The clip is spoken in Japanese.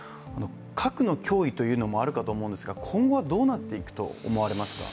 核の脅威というのもあるかと思うんですが今後はどうなっていくと思いますか。